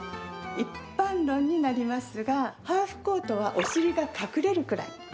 一般論になりますがハーフコートはお尻が隠れるくらい。